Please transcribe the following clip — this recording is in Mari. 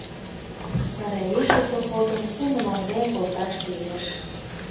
Вара иже походым кумылаҥден колташ лиеш.